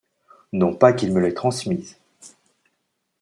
Non pas qu’il me l’ait transmise.